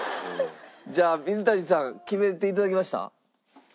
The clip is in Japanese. じゃあ水谷さん決めて頂きました？